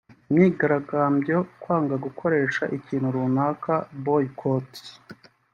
Imyigarambyo yo kwanga gukoresha ikintu runaka (Boycott)